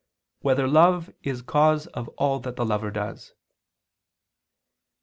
6] Whether Love Is Cause of All That the Lover Does?